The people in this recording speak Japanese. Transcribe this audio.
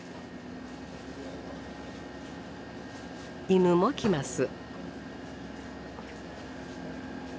犬も来ます。